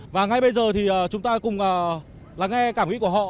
và ngay bây giờ thì chúng ta cùng lắng nghe cảm nghĩ của họ